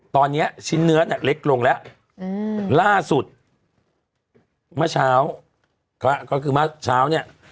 ตอนนี้ชิ้นเนื้อเนี่ยเล็กลงแล้วล่าสุดเมื่อเช้าก็คือเมื่อเช้าเนี่ย